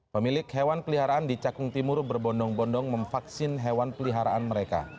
pemilik hewan peliharaan di cakung timur berbondong bondong memvaksin hewan peliharaan mereka